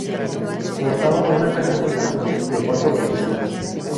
Portaba una caja de cambios de cuatro velocidades.